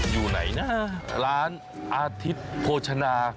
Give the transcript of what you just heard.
อยู่ไหนนะร้านอาทิตย์โภชนา